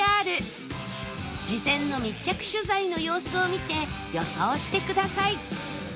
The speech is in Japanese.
事前の密着取材の様子を見て予想してください